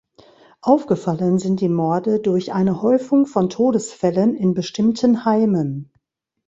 Aufgefallen sind die Morde durch eine Häufung von Todesfällen in bestimmten Heimen.